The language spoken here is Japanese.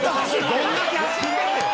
「どんだけ走ってんねん！」